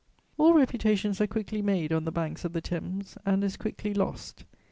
] All reputations are quickly made on the banks of the Thames and as quickly lost.